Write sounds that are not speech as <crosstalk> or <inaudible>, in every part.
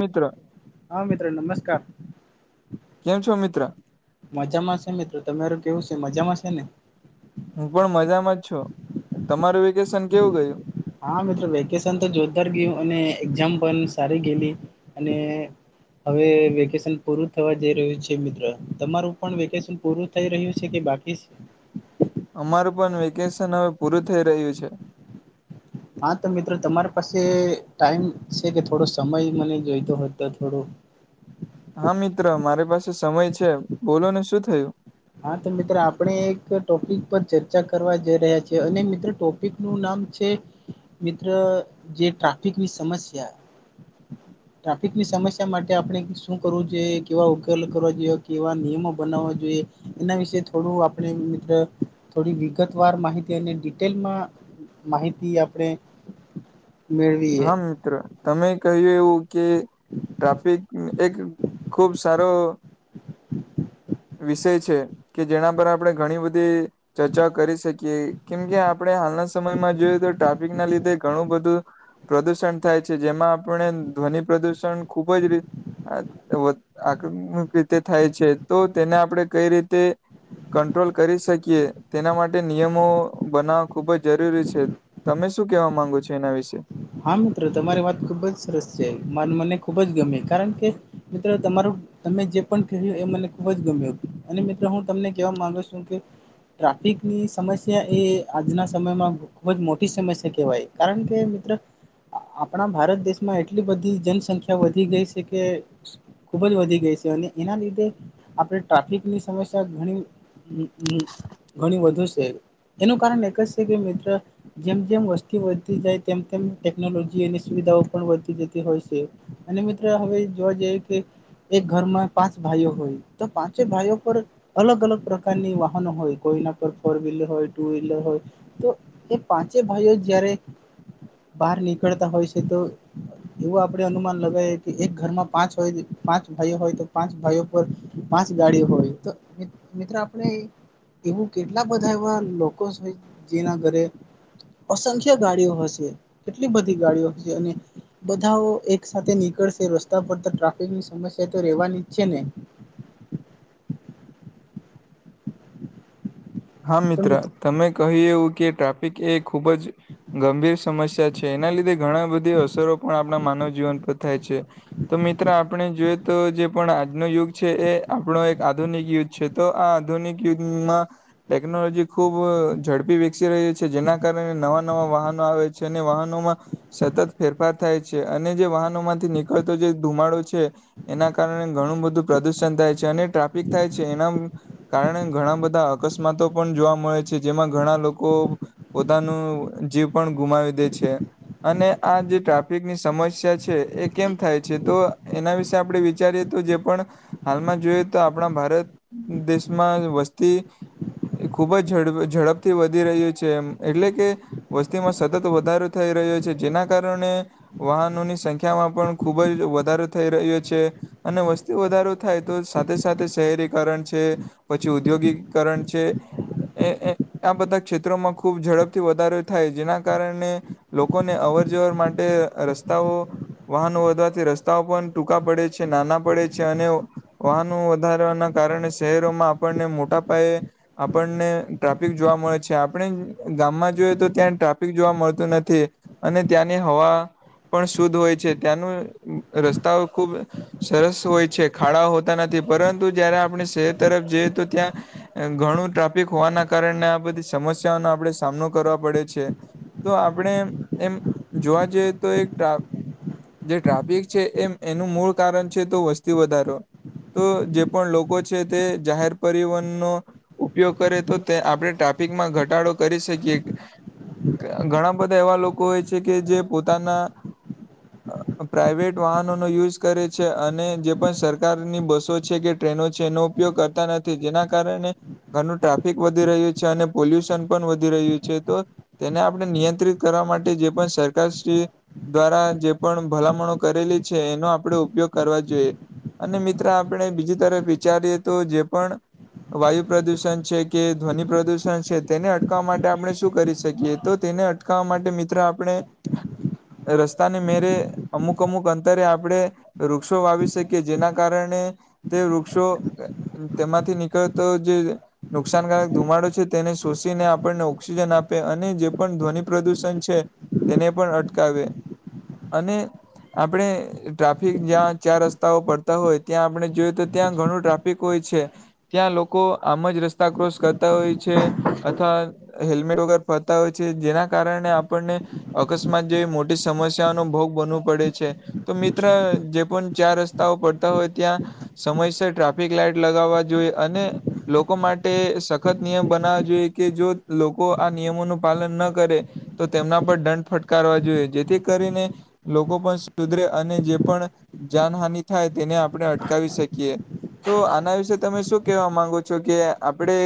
મિત્રો હા મિત્ર નમસ્કાર કેમ છો મિત્ર મજામાં છે મિત્રો તમારું કેવું છે? મજામાં છે ને હું પણ મજામાં જ છું તમારું વેકેશન કેવું ગયું. હા મિત્રો વેકેશન તો જોરદાર ગયું અને એક્ઝામ પણ સારી ગયેલી અને હવે વેકેશન પૂરું થવા જઈ રહ્યું છે. મિત્ર તમારું પણ વેકેશન પૂરું થઈ રહ્યું છે કે બાકી અમારું પણ વેકેશન હવે પૂરું થઈ રહ્યું છે. હા તો મિત્રો તમારી પાસે ટાઈમ છે, કે થોડો સમય મને જોઈતો હો તો થોડો. હા મિત્ર મારી પાસે સમય છે. બોલો ને શું થયું? હા તો મિત્ર આપણે એક ટોપિક પર ચર્ચા કરવા જઈ રહ્યા છીએ અને મિત્રો ટોપિક નું નામ છે. મિત્ર જે ટ્રાફિકની સમસ્યા. <inaudible> ટ્રાફિકની સમસ્યા માટે આપણે શું કરવું જોઈએ કેવા ઉકેલ કરવા જોઈએ કેવા નિયમો બનાવવા જોઈએ. એના વિશે થોડું આપણે મિત્ર થોડી વિગત વાર માહિતી અને ડિટેલમાં. માહિતી આપડણે. હા મિત્ર તમે કહ્યું એવું કે ટ્રાફિક એક ખુબ સારો. વિષય છે કે જેના પર આપણે ઘણી બધી ચર્ચા કરી શકીએ કેમ કે આપણે હાલના સમયમાં જોયએ તો ટ્રાફિક ના લીધે ઘણું બધું. પ્રદૂષણ થાય છે. જેમાં આપણે ધ્વનિ પ્રદુષણ ખુબ જ રીતે આકસ્મિક રીતે થાય છે. તો તેને આપણે કઈ રીતે કંટ્રોલ કરી શકીએ તેના માટે નિયમો બનાવવા ખૂબ જ જરૂરી છે. તમે શું કેવા માંગો છો? એના વિશે. હા મિત્રો તમારી વાત ખુબ જ સરસ છે. મ મને ખુબ જ ગમે કારણ કે મિત્રો તમારું તમે જે પણ ક્યું એ મને ખુબ જ ગમ્યું હતું અને મિત્રો હું તમને કેહેવા માંગુ છું કે ટ્રાફિકની સમસ્યા એ આજના સમયમાં. ખુબ જ મોટી સમસ્યા કહેવાય કારણ કે મિત્રો આપણા ભારત દેશમાં એટલી બધી જનસંખ્યા વધી ગઈ છે કે. ખૂબ જ વધી ગઈ છે. અને એના લીધે આપણે ટ્રાફિકની સમસ્યા ઘણી. હ હમ ઘણ વધુ છે. એનું કારણ એક જ છે કે મિત્રો જેમ જેમ વસ્તી વધતી જાય તેમ તેમ. ટેકનોલોજી એની સુવિધાઓ પણ વધતી જતી હોય છે અને મિત્રો હવે જોવા જઈએ કે એક ઘરમાં પાંચ ભાઈઓ હોય તો પાંચે ભાઈઓ પર. અલગ અલગ પ્રકારની વાહનો હોય કોઈના પર ફોર વ્હીલર હોય ટુ વ્હીલર હોય. તો એ પાંચે ભાઈઓ જારે. બહાર નીકળતા હોય છે તો. એવું આપડણે અનુમાન લગાવ કે એક ઘરમાં પાંચ હોય પાંચ ભાઈઓ હોય તો પાંચ ભાઈઓ પર. પાંચ ગાડી હોય તો મિત્રો આપણે. એવું કેટલા બધા એવા લોકો હોય જેના ઘરે. અસંખ્ય ગાડીઓ હશે કેટલી બધી ગાડીઓ હશે અને. બધા એક સાથે નીકળશે રસ્તા પર ટ્રાફિક ની સમસ્યા તો રહેવાની ઈ છે ને. હા મિત્ર તમે કહ એવું કે ટ્રાફિક એ ખૂબજ. ગંભીર સમસ્યા છે એના લીધે ઘણા બધી અસરો પણ આપણા માનવ જીવન પર થાય છે. તો મિત્ર આપણે જોઈયએ તો જે પણ આજનો યુગ છે એ આપણો એક આધુનિક યુગ. છે તો આ આધુનિક યુદ્ગમાં. ટેકનોલોજી ખૂબ ઝડપી વિકસી રહી છે જેના કારણે નવા. ન વાહનો આવે છે અને વાહનોમાં. સતત ફેરફાર થાય છે અને જે વાહનો માંથી નીકળતો જે ધુમાડો છે. એના કારણે ઘણું બધું પ્રદુષણ થાય છે અને ટ્રાફિક થાય છે એના. કારણે ઘણા બધા અકસ્માતો પણ જોવા મળે છે જેમાં ઘણા લોકો. પોતાનું જીવ પણ ગુમાવી દે છે. અને આ જે ટ્રાફિકની સમસ્યા છે એ કેમ થાય છે તો એના વિશે આપડણે વિચારીએ. તો જે પણ હાલમાં જોઈએ તો આપણા ભારત દેશમાં વસ્તી. એ ખૂબ જડ ઝડપથી વધી રહ્યું છે એમ એટલે કે. વસ્તીમાં સતત વધારો થઈ રહ્યો છે જેના કારણે. વાહનોની સંખ્યામાં પણ ખુબ જ વધારો થઈ રહ્યો છે. અને વસ્તી વધારો થાય તો સાથે સાથે શહેરીકરણ છે પછી ઔદ્યોગીકરણ. જે આ બધા ક્ષેત્રોમાં ખુબ ઝડપથી વધારો થાય જેના કારણે. લોકોને અવર જવર માટે રસ્તાઓ. વાહનો વધવાથી રસ્તાઓ પણ ટૂંકા પડે છે નાના પડે છે અને વાહનો વધારવાના કારણે શહેરોમાં આપણને મોટા પાયે આપણને ટ્રાફિક જોવા મળે છે આપણે ગામમાં જોઈએ તો ત્યાં ટ્રાફિક જોવા મળતું નથી. અને ત્યાંની હવા પણ શુદ્ધ હોય છે ત્યાંનું રસ્તાઓ ખુબ. સરસ હોય છે ખાડા હોતા નથી પરંતુ જયારે આપણે શહેર તરફ જઈએ તો ત્યાં. ઘણું ટ્રાફિક હોવાના કારણે આ બધી સમસ્યાઓનો આપણે સામનો કરવા પડે છે. તો આપણે એમ જોવા જઈએ તો એક. જે ટ્રાફિક છે એમ એનું મૂળ કારણ છે તો વસ્તી વધારો. તો જે પણ લોકો છે તે જાહેર પરિવહનો. ઉપયોગ કરે તો તે આપણે ટ્રાફિકમાં ઘટાડો કરી શકીએ. ઘણા બધા એવા લોકો હોય છે કે જે પોતાના પ્રાઇવેટ વાહનોનો યુઝ કરે છે અને જે પણ સરકારની બસો છે કે ટ્રેનો છે એનો ઉપયોગ કર નથી જેના કારણે ઘનું ટ્રાફિક વધી રહ્યું છે અને પોલ્યુશન પણ વધી રહ્યું છે તો તેને આપણે નિયંત્રિત કરવા માટે જે પણ સરકારશ્રી દ્વારા જે પણ ભલામણો કરેલી છે એનો આપણે ઉપયોગ કરવા જોઈએ. અને મિત્ર આપણે બીજી તરફ વિચારીએ તો જે પણ વાયુ પ્રદૂષણ છે કે ધ્વનિ પ્રદુષણ છે તેને અટકવા માટે આપણે શું કરી શકીએ. તો તેને અટકાવવા માટે મિત્ર આપણે રસ્તાને મેરે અમુક અમુક અંતરે આપડે વૃક્ષો વાવી શકીએ જેના કારણે તે વૃક્ષો તેમાંથી નીકળતો જે જે. નુકસાનકારક ધુમાડો છે તેને શોષીને આપણને ઓક્સિજન આપે અને જે પણ ધ્વનિ પ્રદૂષણ છે. તેને પણ અટકાવે અને આપણે ટ્રાફિક જ્યાં ચાર રસ્તાઓ પડતા હોય ત્યાં આપણે જોયએ તો ત્યાં ઘણો ટ્રાફિક હોય છે ત્યાં લોકો આમ જ રસ્તા ક્રોસ કરતા હોય છે. અથવા હેલ્મેટ વગર ફરતા હોય છે જેના કારણે આપણને અકસ્માત જેવી મોટી સમસ્યાઓનો ભોગ બનવું પડે છે. તો મિત્ર જે પણ ચાર રસ્તાઓ પડતા હોય ત્યાં સમયસર ટ્રાફિક લાઈટ લગાવા જોઈએ અને લોકો માટે સખત નિયમ બનાવા જોઈએ કે જો લોકો આ નિયમોનું પાલન ન કરે તો તેમના પર દંડ ફટકારવા જોઈએ જેથી કરીને લોકો પણ સુધરે અને જે પણ જાનહાની થાય તેને આપણે અટકાવી શકીએ. તો આના વિશેે તમે શું કેવા માંગો છો? જો કે આપડે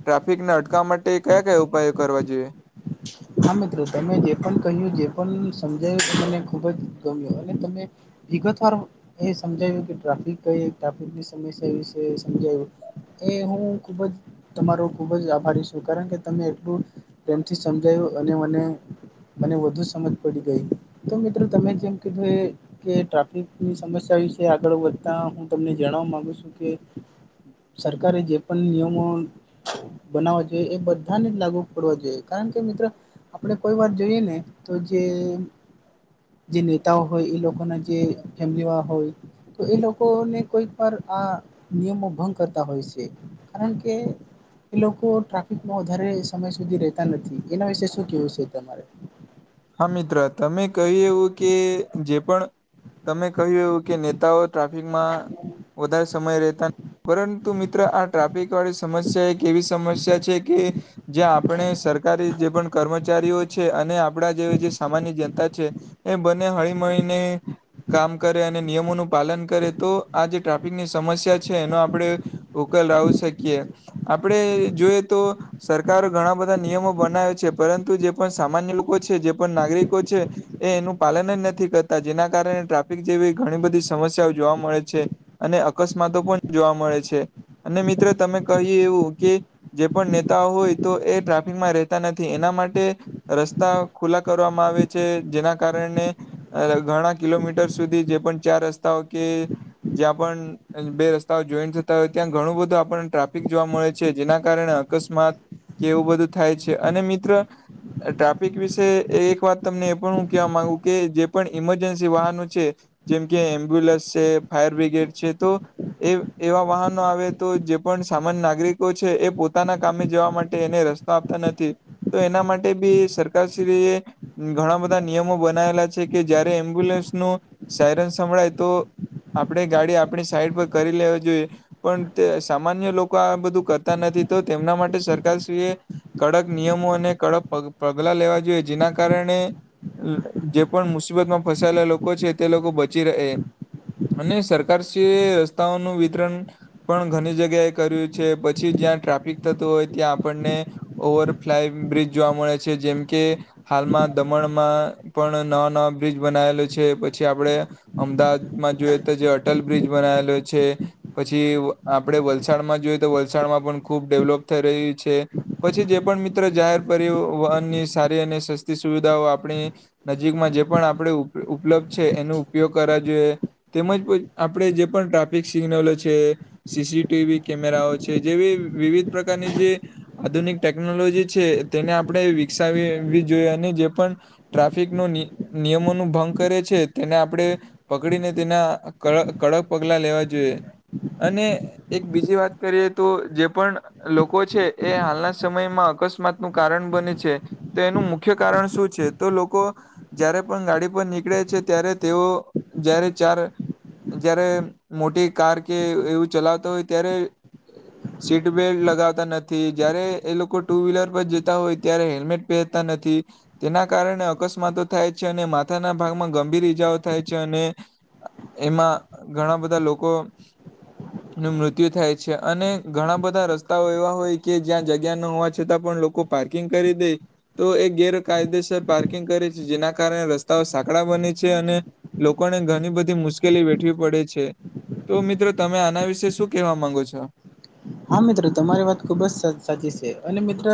ટ્રાફિકને અટકવા માટે કયા કયા ઉપાયો કરવા જોઈએ? હા મિત્રો તમે જે પણ કહ્યું જે પણ સમજાયું મને ખુબ જ ગમ્યું અને તમે વિગત વાર એ સમજાય્યું કે ટ્રાફિક કઈ ટ્રાફિકની સમસ્યા એ વિશે સમજાયું એ હું ખુબ જ તમારો ખુબ જ આભારી છું કારણ કે તમે એટલું પ્રેમથી સમજાયું અને મને મને વધુ સમજ પડી ગઈ તો મિત્રો તમે જેમ કીધું એ કે ટ્રાફિકની સમસ્યા વિશે આગળ વધતા હું તમને જાણવા માંગુ છું કે સરકારે જે પણ નિયમો બનાવા જોઈએ એ બધાને જ લાગુ પડવા જોઈએ કારણ કે મિત્ર આપણે કોઈ વાર જોઈએ ને તો જે જે નેતાઓ હોય એ લોકોના જે ફેમીલી માં હોય તો એ લોકોને કોઈ પણ આ નિયમો ભંગ કરતા હોય છે કારણ કે એ લોકો ટ્રાફિકમાં વધારે સમય સુધી રહેતા નથી એના વિશે શું કહેવું છે તમારે? હા મિત્ર તમે કહ્યું એવું કે જે પણ તમે કહ્યું એવુ કે નેતાઓ ટ્રાફિકમાં વધારે સમય રહેતા પરંતુ મિત્ર આ ટ્રાફિક વાળી સમસ્યા એક એવી સમસ્યા છે કે જે આપણે સરકારી જે પણ કર્મચારીઓ છે અને આપણા જેવી જે સામાન્ય જનતા છે. એ બને હળી મળીને કામ કરે અને નિયમોનું પાલન કરે તો આ જે ટ્રાફિકની સમસ્યા છે એનો આપણે ઉકેલ લાવી શકીએ. આપડે જોઈએ તો સરકાર ઘણા બધા નિયમો બનાવે છે પરંતુ જે પણ સામાન્ય લોકો છે જે પણ નાગરિકો છે. એ એનું પાલન જ નથી કરતા જેના કારણે ટ્રાફિક જેવી ઘણી બધી સમસ્યાઓ જોવા મળે છે. અને અકસ્માતો પણ જોવા મળે છે. અને મિત્રો તમે કહી એવું કે જે પણ નેતાઓ હોય તો એ ટ્રાફિકમાં રહેતા ન થી એના માટે રસ્તા ખુલ્લા કરવામાં આવે છે જેના કારણે અહ ઘણા કિલોમીટર સુધી જે પણ ચાર રસ્તાઓ કે જ્યાં પણ અહ બે રસ્તાઓ જોઈન્ટ થતા હોય ત્યાં ઘણું બધું આપણને ટ્રાફિક જોવા મળે છે જેના કારણે અકસ્માત કે એવું બધું થાય છે અને મિત્ર અહ ટ્રાફિક વિશે એક વાત તમને એ પણ હું કેહેવા માંગુ કે જે પણ ઈમરજન્સી વાહનો છે જેમ કે એમ્બ્યુલન્સ છે, ફાયર બ્રિગેડ છે, તો એ એવા વાહનો આવે તો જે પણ સામાન્ય નાગરિકો છે એ પોતાના કામે જવા માટે એને રસ તો આપતા નથી તો એના માટે બી સરકારશ્રી એ ઘણા બધા નિયમો બનાયેલા છે કે જયારે એમ્બ્યુલન્સ નો સાયરન સંભળાય તો આપડે ગાડી આપણી સાઈડ પર કરી લેવી જોઈએ. પણ તે સામાન્ય લોકો આ બધું કરતા નથી તો તેમના માટે સરકારશ્રી એ કડક નિયમો અને કડક પગ-પગલા લેવા જોઈએ જેના કારણે લ જે પણ મુસીબત માં ફસાયેલા લોકો છે તે લોકો બચી રહે. અને સરકાર શ્રી રસ્તાઓનું વિતરણ પણ ઘણી જગ્યાએ કર્યું છે પછી જ્યાં ટ્રાફિક થતું હોય ત્યાં આપણને ઓવર ફ્લાય બ્રિજ જોવા મળે છે જેમ કે હાલમાં દમણમાં પણ નવા નવા બ્રિજ બનાએલો છે પછી આપડે અમદાવાદમાં જોઈએ તો જે અટલ બ્રિજ બનાએલો છે. પછી આપડે વલસાડમાં જોઈએ તો વલસાડમાં પણ ખૂબ ડેવલોપ થઈ રહી છે. પછી જે પણ મિત્ર જાહેર કર્યું વહનની સારી અને સસ્તી સુવિધાઓ આપણી નજીકમાં જે પણ આપડે ઉપ-ઉપલબ્ધ છે એનો ઉપયોગ કરવા જોઈએ. તેમજ કોઈ આપડે જે પણ ટ્રાફિક સિગ્નલો છે સી સી ટી વી કેમેરાઓ છે જેવી વિવિધ પ્રકારની જે આધુનિક ટેકનોલોજી છે તેને આપડે વિકસાવવી જોઈએ અને જે પણ ટ્રાફિક નો નિ નિયમો નો ભંગ કરે છે તેને આપડે પકડીને તેના કડ કડક પગલા લેવા જોઈએ અને એક બીજી વાત કરીએ તો જે પણ લોકો છે એ હાલના સમયમાં અકસ્ માત નું કારણ બને છે તો એનું મુખ્ય કારણ શું છે તો લોકો જયારે પણ ગાડી પર નીકળે છે ત્યારે તેઓ જ્યારે ચાર જયારે મોટી કાર કે એવું ચલાવતો હોય ત્યારે સીટ બેલ્ટ લગાવતા નથી જયારે એ લોકો ટુ વ્હીલર બદ જેતા હોય ત્યારે હેલ્મેટ પહેરતા નથી. તેના કારણે અકસ્માતો થાય છે અને માથાના ભાગમાં ગંભીર ઈજાઓ થાય છે અને એમાં ઘણા બધા લોકો નું મૃત્યુ થાય છે અને ઘણા બધા રસ્તાઓ એવા હોય કે જ્યાં જગ્યા ન હોવા છતાં પણ લોકો પાર્કિંગ કરી દે તો એ ગેરકાયદેસર પાર્કિંગ કરે છે જેના કારણે રસ્તાઓ સાંકડા બને છે અને લોકોને ઘણી બધી મુશ્કેલી વેઠવી પડે છે. તો મિત્રો તમે આના વિશે શું કેહેવા માંગો છો? હા, મિત્ર તમારી વાત ખુબજ સચ-સાચી છે અને મિત્ર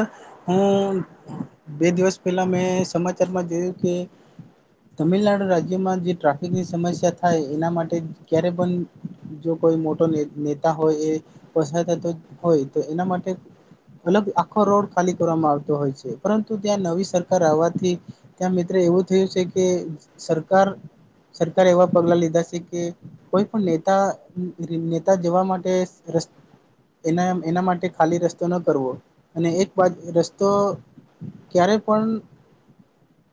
હું બે દિવસ પહેલા મેં સમાચારમાં જોયું કે તમિલનાડુ રાજ્યમાં જે ટ્રાફિકની સમસ્યા થાય એના માટે ક્યારે પણ જો કોઈ મોટો ને-નેતા હોય એ પસાર થતો હોય તો એના માટે અલગ આખો રોડ ખાલી કરવામાં આવતો હોય છે. પરંતુ ત્યાં નવી સરકાર આવાથી ત્યાં મિત્ર એવું થયું છે કે સરકાર સરકાર એવા પગલા લીધા છે કે કોઈ પણ નેતા નેતા જવા માટે રસ એના એના માટે ખાલી રસ્તો ન કરવો અને એક બાજ રસ્તો ક્યારે પણ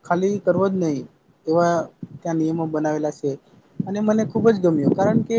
ખાલી કરવો નહી. એવા ત્યાં નિયમો બનાવેલા છે અને મને ખૂબ જ ગમ્યું કારણ કે